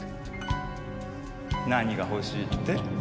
何が欲しいって？